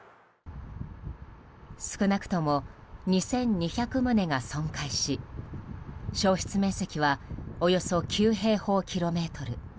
少なくとも２２００棟が損壊し焼失面積はおよそ９平方キロメートル。